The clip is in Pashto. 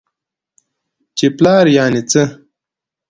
چې پلار يعنې څه؟؟!